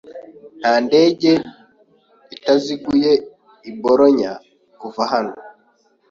Nta ndege itaziguye i Bologna kuva hano.